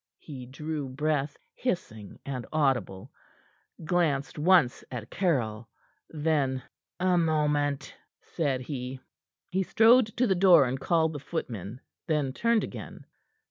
He drew breath, hissing and audible, glanced once at Caryll; then: "A moment!" said he. He strode to the door and called the footmen, then turned again.